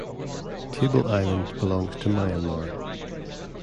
Table Island belongs to Myanmar.